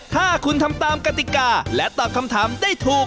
ถ้าคุณทำตามกติกาและตอบคำถามได้ถูก